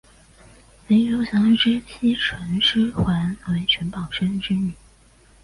林熊祥之妻陈师桓为陈宝琛之女。